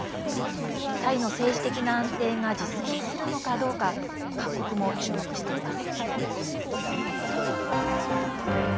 タイの政治的な安定が実現するのかどうか各国も注目しています。